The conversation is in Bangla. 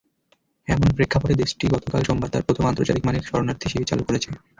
এমন প্রেক্ষাপটে দেশটি গতকাল সোমবার তার প্রথম আন্তর্জাতিক মানের শরণার্থীশিবির চালু করেছে।